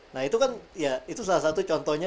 nah itu kan ya itu salah satu contohnya